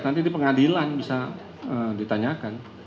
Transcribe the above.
nanti di pengadilan bisa ditanyakan